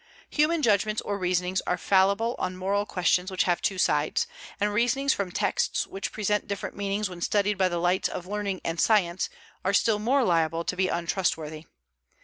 Human judgments or reasonings are fallible on moral questions which have two sides; and reasonings from texts which present different meanings when studied by the lights of learning and science are still more liable to be untrustworthy.